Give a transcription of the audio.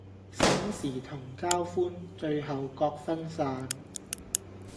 醒時同交歡，醉後各分散